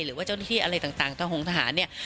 หรือว่าเจ้าหน้าที่อะไรต่างทะหงทหารเนี่ย